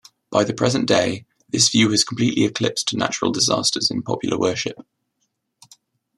By the present day, this view has completely eclipsed natural disasters in popular worship.